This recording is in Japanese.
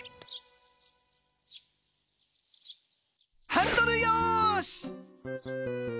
ハンドルよし。